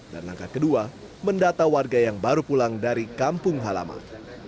dan langkah kedua mendata warga yang baru pulang dari kampung halaman